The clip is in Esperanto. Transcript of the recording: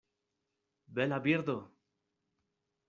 Bela birdo!